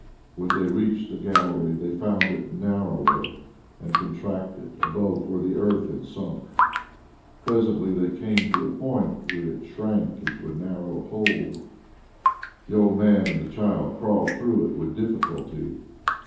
When they reached the gallery they found it narrower and contracted above where the earth had sunk. Presently they came to a point where it shrank to a narrow hole. The old man and the child crawled through it with difficulty.